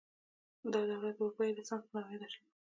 دا دوره د اروپايي رنسانس په نامه یاده شوې.